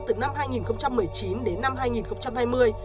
từ năm hai nghìn một mươi chín đến năm hai nghìn hai mươi